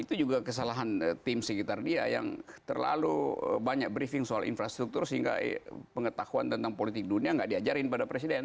itu juga kesalahan tim sekitar dia yang terlalu banyak briefing soal infrastruktur sehingga pengetahuan tentang politik dunia nggak diajarin pada presiden